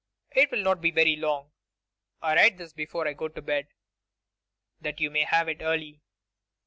It will not be very long. I write this before I go to bed, that you may have it early.